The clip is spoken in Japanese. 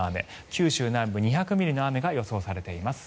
九州南部、２００ミリの雨が予想されています。